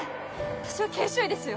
私は研修医ですよ